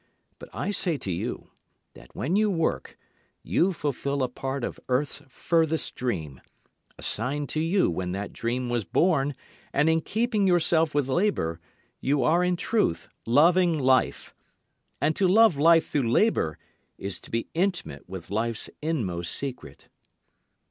But I say to you that when you work you fulfil a part of earth's furthest dream, assigned to you when that dream was born, And in keeping yourself with labour you are in truth loving life, And to love life through labour is to be intimate with life's inmost secret.